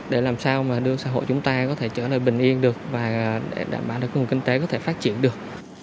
để làm sao mà đưa xã hội chúng ta có thể trở lại bình yên được và đảm bảo được cơ hội kinh tế có thể phát triển được